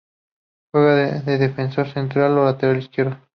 Juega de defensor central o lateral izquierdo.